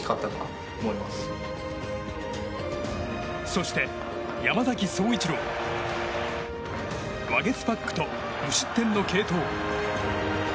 そして山崎颯一郎ワゲスパックと、無失点の継投。